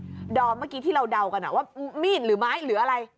ดอมเมื่อกี้ที่เราเดากันว่ามีดหรือไม้หรืออะไร